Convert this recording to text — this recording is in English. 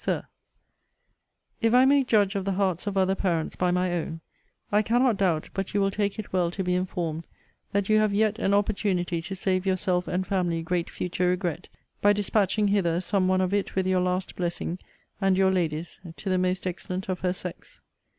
SIR, If I may judge of the hearts of other parents by my own, I cannot doubt but you will take it well to be informed that you have yet an opportunity to save yourself and family great future regret, by dispatching hither some one of it with your last blessing, and your lady's, to the most excellent of her sex.